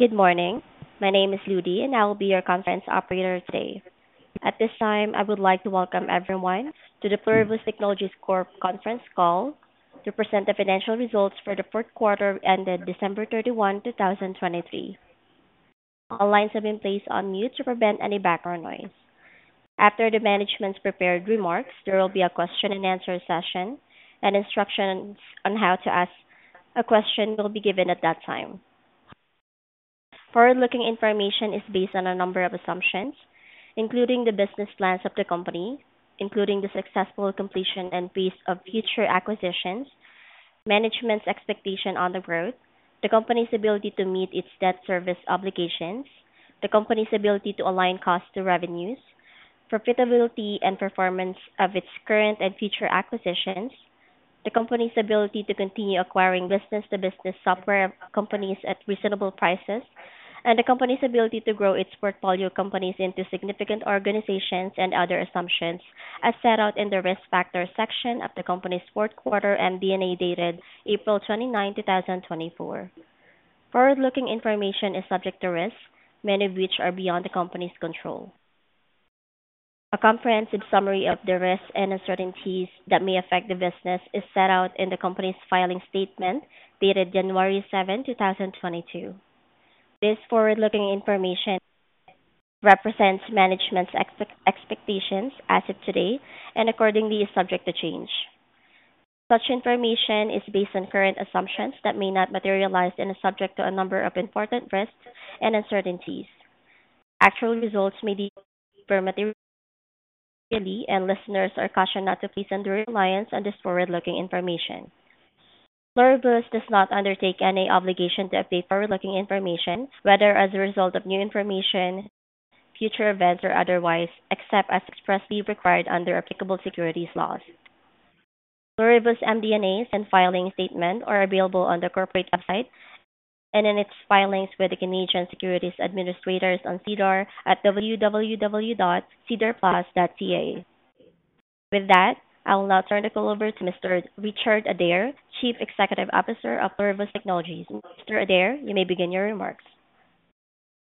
Good morning. My name is Ludi and I will be your conference operator today. At this time I would like to welcome everyone to the Pluribus Technologies Corp conference call to present the financial results for the fourth quarter ended December 31, 2023. All lines have been placed on mute to prevent any background noise. After the management's prepared remarks, there will be a question-and-answer session and instructions on how to ask a question will be given at that time. Forward-looking information is based on a number of assumptions, including the business plans of the company, including the successful completion and pace of future acquisitions, management's expectation on the growth, the company's ability to meet its debt service obligations, the company's ability to align costs to revenues, profitability and performance of its current and future acquisitions, the company's ability to continue acquiring business-to-business software companies at reasonable prices, and the company's ability to grow its portfolio companies into significant organizations and other assumptions as set out in the risk factor section of the company's fourth quarter and MD&A dated April 29, 2024. Forward-looking information is subject to risk, many of which are beyond the company's control. A comprehensive summary of the risks and uncertainties that may affect the business is set out in the company's filing statement dated January 7, 2022. This forward-looking information represents management's expectations as of today and accordingly is subject to change. Such information is based on current assumptions that may not materialize and is subject to a number of important risks and uncertainties. Actual results may differ materially and listeners are cautioned not to place undue reliance on this forward-looking information. Pluribus does not undertake any obligation to update forward-looking information, whether as a result of new information, future events, or otherwise, except as expressly required under applicable securities laws. Pluribus and its filing statement are available on the corporate website and in its filings with the Canadian Securities Administrators on SEDAR+ at www.sedarplus.ca. With that, I will now turn the call over to Mr. Richard Adair, Chief Executive Officer of Pluribus Technologies. Mr. Adair, you may begin your remarks.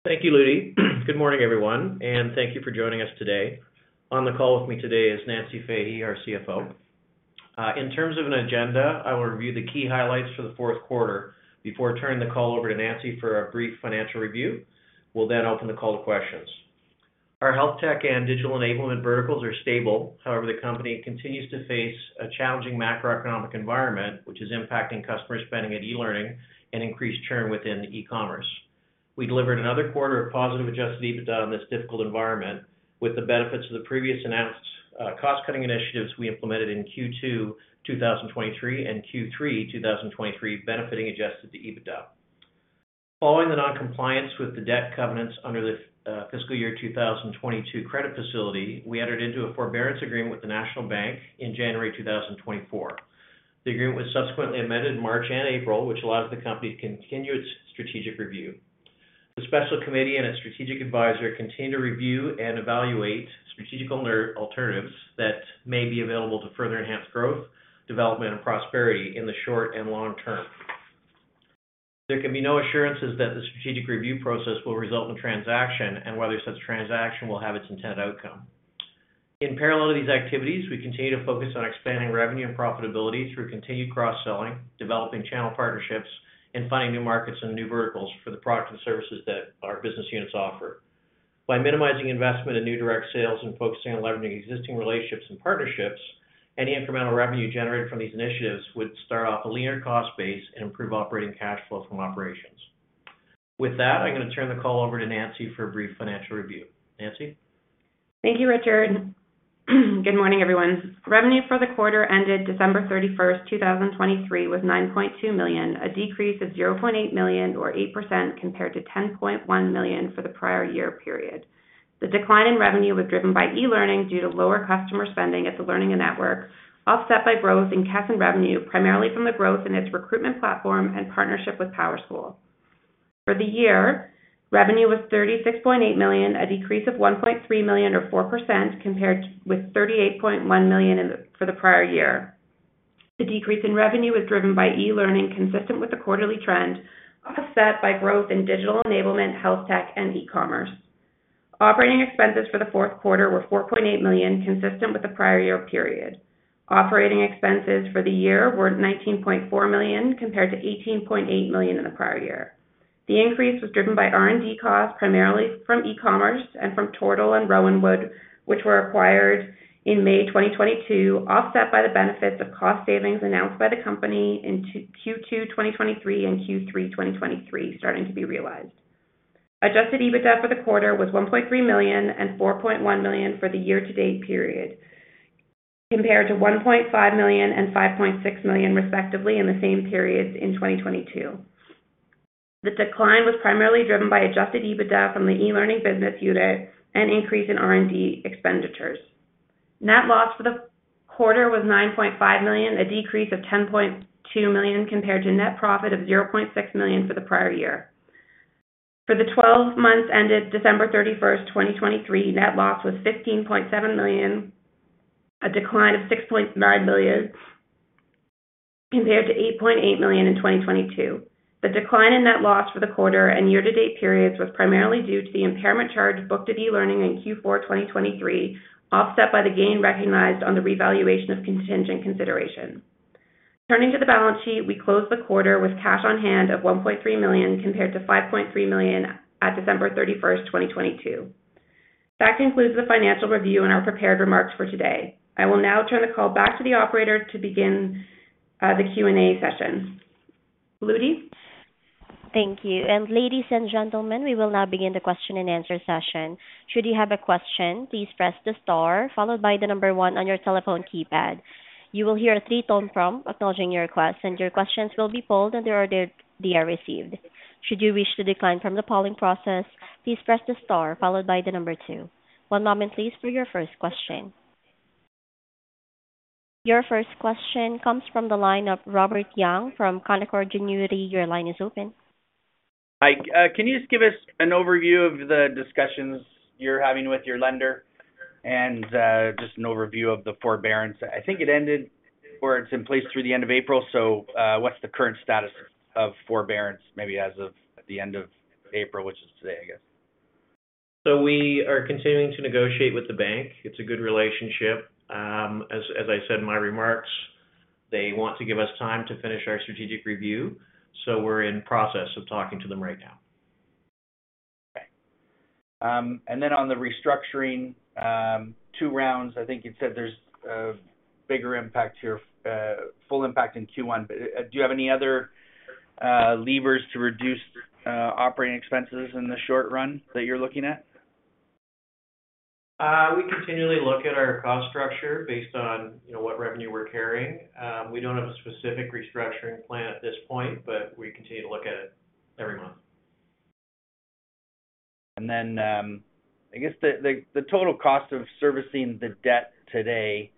Thank you, Ludi. Good morning, everyone, and thank you for joining us today. On the call with me today is Nancy Fahmy, our CFO. In terms of an agenda, I will review the key highlights for the fourth quarter before turning the call over to Nancy for a brief financial review. We'll then open the call to questions. Our health tech and digital enablement verticals are stable. However, the company continues to face a challenging macroeconomic environment which is impacting customer spending at e-learning and increased churn within e-commerce. We delivered another quarter of positive Adjusted EBITDA on this difficult environment with the benefits of the previous announced cost-cutting initiatives we implemented in Q2 2023 and Q3 2023 benefiting Adjusted EBITDA. Following the non-compliance with the debt covenants under the fiscal year 2022 credit facility, we entered into a Forbearance Agreement with the National Bank in January 2024. The agreement was subsequently amended in March and April, which allowed the company to continue its strategic review. The special committee and its strategic advisor continue to review and evaluate strategic alternatives that may be available to further enhance growth, development, and prosperity in the short and long term. There can be no assurances that the strategic review process will result in a transaction and whether such transaction will have its intended outcome. In parallel to these activities, we continue to focus on expanding revenue and profitability through continued cross-selling, developing channel partnerships, and finding new markets and new verticals for the products and services that our business units offer. By minimizing investment in new direct sales and focusing on leveraging existing relationships and partnerships, any incremental revenue generated from these initiatives would start off a leaner cost base and improve operating cash flow from operations. With that, I'm going to turn the call over to Nancy for a brief financial review. Nancy? Thank you, Richard. Good morning, everyone. Revenue for the quarter ended December 31, 2023, was 9.2 million, a decrease of 0.8 million or 8% compared to 10.1 million for the prior year period. The decline in revenue was driven by e-learning due to lower customer spending at The Learning Network, offset by growth in cash and revenue primarily from the growth in its recruitment platform and partnership with PowerSchool. For the year, revenue was 36.8 million, a decrease of 1.3 million or 4% compared with 38.1 million for the prior year. The decrease in revenue was driven by e-learning, consistent with the quarterly trend, offset by growth in digital enablement, health tech, and e-commerce. Operating expenses for the fourth quarter were 4.8 million, consistent with the prior year period. Operating expenses for the year were 19.4 million compared to 18.8 million in the prior year. The increase was driven by R&D costs primarily from e-commerce and from Tortal and Rowanwood, which were acquired in May 2022, offset by the benefits of cost savings announced by the company in Q2 2023 and Q3 2023 starting to be realized. Adjusted EBITDA for the quarter was 1.3 million and 4.1 million for the year-to-date period, compared to 1.5 million and 5.6 million respectively in the same periods in 2022. The decline was primarily driven by adjusted EBITDA from the e-learning business unit and increase in R&D expenditures. Net loss for the quarter was 9.5 million, a decrease of 10.2 million compared to net profit of 0.6 million for the prior year. For the 12 months ended December 31, 2023, net loss was CAD 15.7 million, a decline of CAD 6.9 million compared to CAD 8.8 million in 2022. The decline in net loss for the quarter and year-to-date periods was primarily due to the impairment charge booked at e-learning in Q4 2023, offset by the gain recognized on the revaluation of contingent consideration. Turning to the balance sheet, we closed the quarter with cash on hand of 1.3 million compared to 5.3 million at December 31, 2022. That concludes the financial review and our prepared remarks for today. I will now turn the call back to the operator to begin the Q&A session. Ludi? Thank you. And ladies and gentlemen, we will now begin the question-and-answer session. Should you have a question, please press the star followed by the number one on your telephone keypad. You will hear a three-tone prompt acknowledging your request, and your questions will be polled and they are received. Should you wish to decline from the polling process, please press the star followed by the number two. One moment, please, for your first question. Your first question comes from the line of Robert Young from Canaccord Genuity. Your line is open. Hi. Can you just give us an overview of the discussions you're having with your lender and just an overview of the forbearance? I think it ended or it's in place through the end of April, so what's the current status of forbearance maybe as of the end of April, which is today, I guess? So we are continuing to negotiate with the bank. It's a good relationship. As I said in my remarks, they want to give us time to finish our strategic review, so we're in process of talking to them right now. Okay. And then on the restructuring two rounds, I think you'd said there's a bigger impact here, full impact in Q1, but do you have any other levers to reduce operating expenses in the short run that you're looking at? We continually look at our cost structure based on what revenue we're carrying. We don't have a specific restructuring plan at this point, but we continue to look at it every month. I guess the total cost of servicing the debt today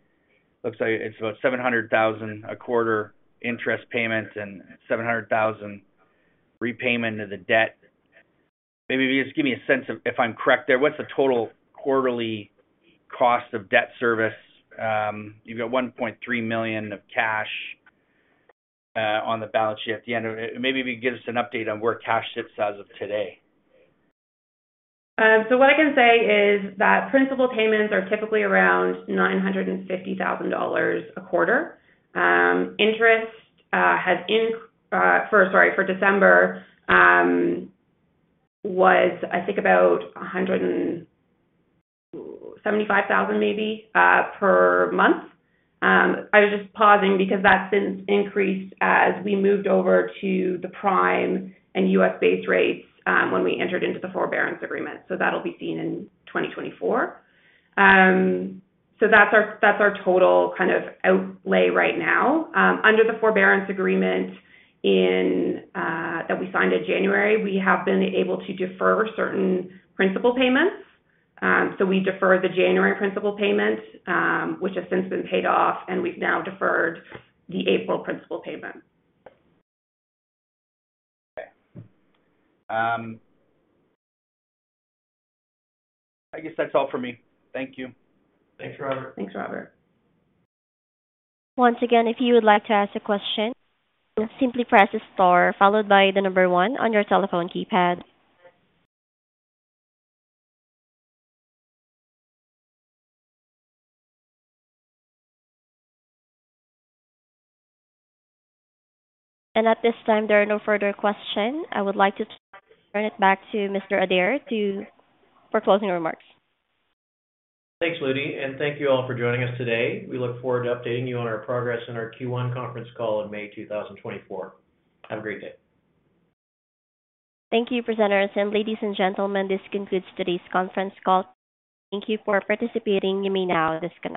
looks like it's about 700,000 a quarter interest payment and 700,000 repayment of the debt. Maybe just give me a sense of if I'm correct there, what's the total quarterly cost of debt service? You've got 1.3 million of cash on the balance sheet at the end of it. Maybe if you could give us an update on where cash sits as of today. So what I can say is that principal payments are typically around 950,000 dollars a quarter. Interest has for December was, I think, about 175,000 maybe per month. I was just pausing because that's increased as we moved over to the prime and U.S.-based rates when we entered into the forbearance agreement, so that'll be seen in 2024. So that's our total kind of outlay right now. Under the forbearance agreement that we signed in January, we have been able to defer certain principal payments. So we deferred the January principal payment, which has since been paid off, and we've now deferred the April principal payment. Okay. I guess that's all from me. Thank you. Thanks, Robert. Thanks, Robert. Once again, if you would like to ask a question, simply press the star followed by the number one on your telephone keypad. At this time, there are no further questions. I would like to turn it back to Mr. Adair for closing remarks. Thanks, Ludi, and thank you all for joining us today. We look forward to updating you on our progress in our Q1 conference call in May 2024. Have a great day. Thank you, presenters. Ladies and gentlemen, this concludes today's conference call. Thank you for participating. You may now disconnect.